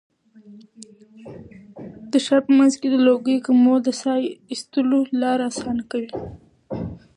د ښار په منځ کې د لوګیو کمول د ساه ایستلو لاره اسانه کوي.